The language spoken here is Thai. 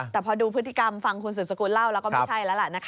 แต่พอดูพฤติกรรมฟังคุณสืบสกุลเล่าแล้วก็ไม่ใช่แล้วล่ะนะคะ